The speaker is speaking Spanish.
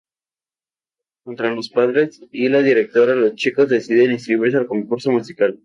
Contra los padres y la directora, los chicos deciden inscribirse al concurso musical.